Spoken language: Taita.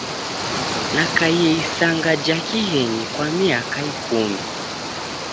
Nakaie isanga ja kighenyi kwa miaka ikumi.